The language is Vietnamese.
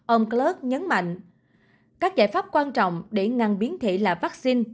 ông klut nhấn mạnh các giải pháp quan trọng để ngăn biến thể là vaccine